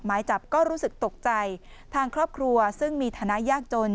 หมายจับก็รู้สึกตกใจทางครอบครัวซึ่งมีฐานะยากจน